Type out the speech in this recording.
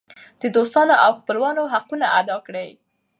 د دوستانو او خپلوانو حقونه ادا کړئ.